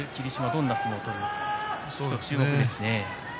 どんな相撲を取るのか注目ですね。